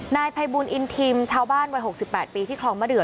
นายภัยบูลอินทิมชาวบ้านวัย๖๘ปีที่คลองมะเดือ